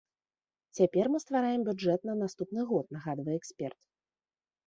Цяпер мы ствараем бюджэт на наступны год, нагадвае эксперт.